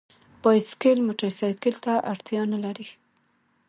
بایسکل موټرسایکل ته اړتیا نه لري.